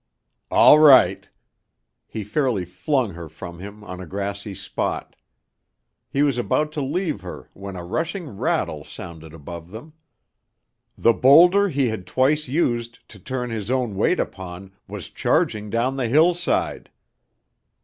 "All right!" He fairly flung her from him on a grassy spot. He was about to leave her when a rushing rattle sounded above them. The boulder he had twice used to turn his own weight upon was charging down the hillside!